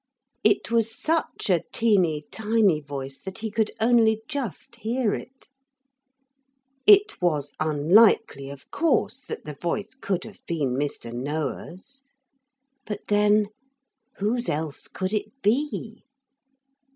It was such a teeny tiny voice that he could only just hear it. It was unlikely, of course, that the voice could have been Mr. Noah's; but then whose else could it be?